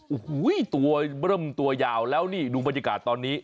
โอ้โหตัวเริ่มตัวยาวแล้วนี่ดูบรรยากาศตอนนี้